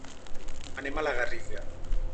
Anem a la Garriga.